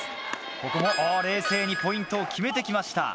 ここも冷静にポイントを決めてきました。